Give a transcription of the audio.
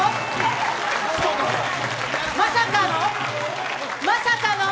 まさかの、まさかの？